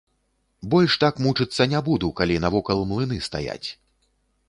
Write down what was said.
Больш так мучыцца не буду, калі навокал млыны стаяць.